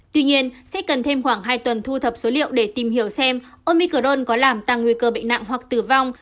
tuy nhiên sẽ cần thêm khoảng hai tuần thu thập số liệu để tìm hiểu xem omicrone có làm tăng nguy cơ bệnh nặng hoặc tử vong